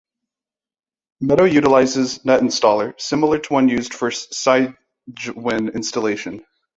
Meadow utilizes Netinstaller, similar to one used for Cygwin installation.